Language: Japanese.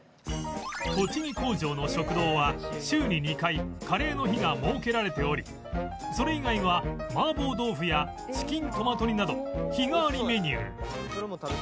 栃木工場の食堂は週に２回カレーの日が設けられておりそれ以外は麻婆豆腐やチキントマト煮など日替わりメニュー